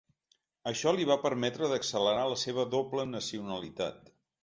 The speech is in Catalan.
Això li va permetre d’accelerar la seva doble nacionalitat.